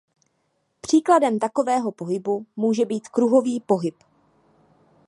Příkladem takového pohybu může být kruhový pohyb.